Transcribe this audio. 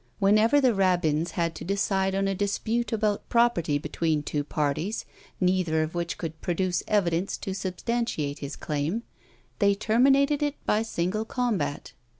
Whenever the rabbins had to decide on a dispute about property between two parties, neither of which could produce evidence to substantiate his claim, they terminated it by single combat.